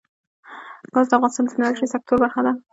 ګاز د افغانستان د انرژۍ سکتور برخه ده.